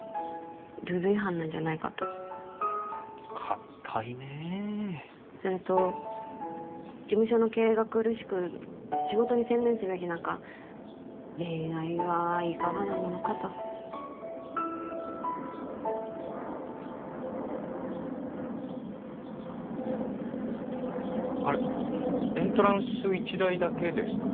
ルール違反なんじゃないかとかったいねそれと事務所の経営が苦しく仕事に専念すべき中恋愛はいかがなものかとふんあれエントランス１台だけですか？